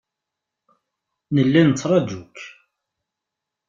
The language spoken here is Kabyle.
Nella nettraju-k.